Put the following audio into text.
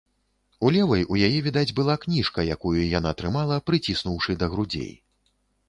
У левай у яе відаць была кніжка, якую яна трымала, прыціснуўшы да грудзей.